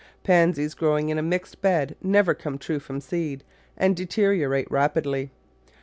Pansies growing in a mixed bed never come true from seed and deteriorate rapidly.